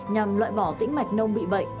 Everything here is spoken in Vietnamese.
nhằm loại bỏ tĩnh mạch nông bị bệnh